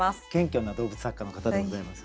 謙虚な動物作家の方でございます。